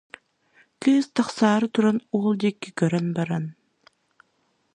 Кыыс тахсаары туран, уол диэки көрөн баран: